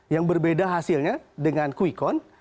yang berbeda hasilnya dengan kuikon